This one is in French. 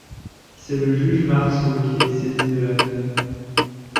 C'est le juge Marceau qui est saisi de l'affaire.